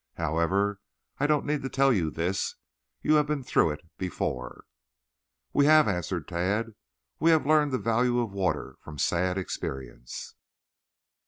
However, I don't need to tell you this. You have been through it before." "We have," answered Tad. "We have learned the value of water from sad experience."